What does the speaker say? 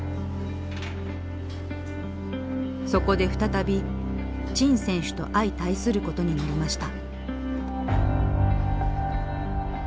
そこで再び陳選手と相対することになりました。